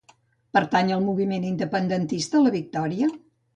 Pertany al moviment independentista la Victoria?